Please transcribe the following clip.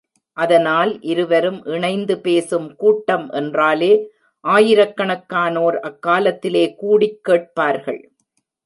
அதனால் இருவரும் இணைந்து பேசும் கூட்டம் என்றாலே ஆயிரக்கணக்கானோர் அக்காலத்திலே கூடிக் கேட்பார்கள்.